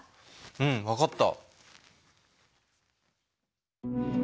うん分かった。